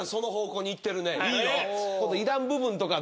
いいよ。